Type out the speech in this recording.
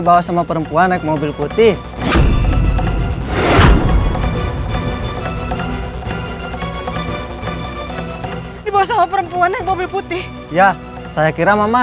bawa perempuan naik mobil putih di bawah perempuan mobil putih ya saya kira mama